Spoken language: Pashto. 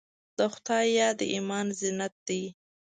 د خدای یاد د ایمان زینت دی.